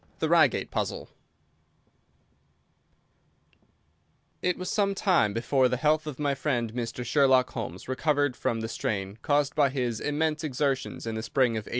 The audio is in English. The Reigate Squires It was some time before the health of my friend Mr. Sherlock Holmes recovered from the strain caused by his immense exertions in the spring of '87.